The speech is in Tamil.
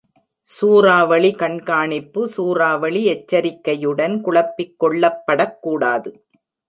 சூறாவளி கண்காணிப்பு சூறாவளி எச்சரிக்கையுடன் குழப்பிக் கொள்ளப்படக் கூடாது.